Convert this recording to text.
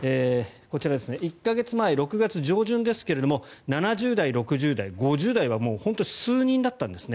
１か月前、６月上旬ですが７０代、６０代５０代は本当に数人だったんですね。